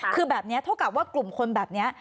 คือแบบนี้เท่ากับว่ากลุ่มคนแบบนี้